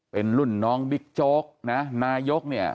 เป็นรุ่นน้องบิ๊กโจ๊กนะนายกเนี่ย